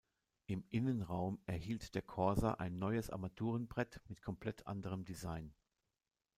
Im Innenraum erhielt der Corsa ein neues Armaturenbrett mit komplett anderem Design.